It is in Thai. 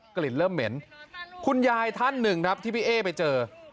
กลิ่นเริ่มเหม็นคุณยายท่านหนึ่งครับที่พี่เอ๊ไปเจอ